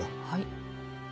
はい。